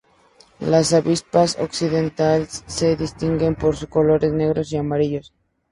Las avispas "P. occidentalis" se distinguen por sus colores negro y amarillo.